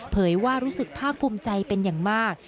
ว่ารู้สึกภาคภูมิใจเป็นอย่างมาก